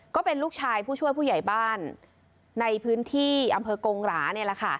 ก็เป็นลูกชายผู้ช่วยผู้ใหญ่บ้านในพื้นที่อำเภอกงหรานี่แหละค่ะ